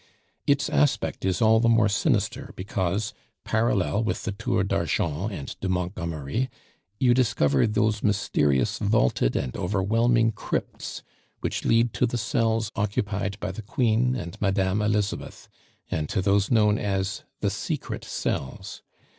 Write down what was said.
Its aspect is all the more sinister because, parallel with the Tours d'Argent and de Montgomery, you discover those mysterious vaulted and overwhelming crypts which lead to the cells occupied by the Queen and Madame Elizabeth, and to those known as the secret cells.